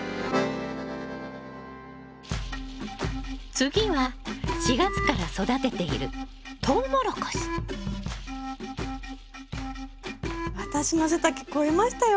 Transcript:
次は４月から育てている私の背丈越えましたよ。